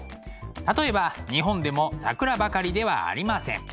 例えば日本でも桜ばかりではありません。